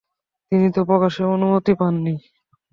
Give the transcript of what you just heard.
তিনি তা প্রকাশের অনুমতি পাননি।